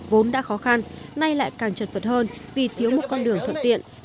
vốn đã khó khăn nay lại càng chật vật hơn vì thiếu một con đường thuận tiện